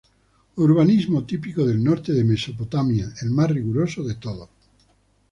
Urbanismo típico del norte de Mesopotamia, el más riguroso de todos.